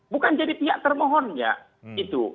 bukan jadi pihak termohonnya itu